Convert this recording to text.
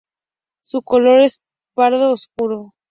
Su color es pardo oscuro.